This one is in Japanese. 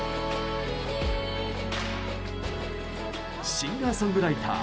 シンガーソングライター、